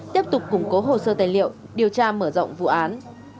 tiếp tục củng cố hồ sơ tài liệu điều tra mở rộng vụ án